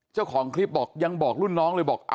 เจ้าของคลิปบอกยังบอกรุ่นน้องเลยบอก